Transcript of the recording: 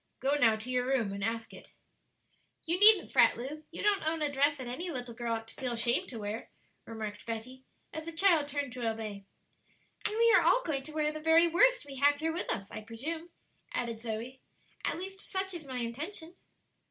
Go, now, to your room and ask it." "You needn't fret, Lu; you don't own a dress that any little girl ought to feel ashamed to wear," remarked Betty, as the child turned to obey. "And we are all going to wear the very worst we have here with us, I presume," added Zoe; "at least such is my intention."